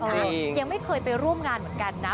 ยังไม่เคยไปร่วมงานเหมือนกันนะ